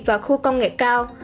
và khu công nghệ cao